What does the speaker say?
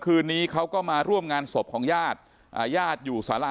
คืนนี้เขาก็มาร่วมงานศพของญาติญาติอยู่สารา